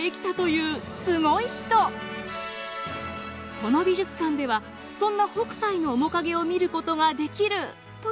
この美術館ではそんな北斎の面影を見ることができるというのですが。